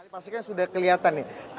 pastikan sudah kelihatan nih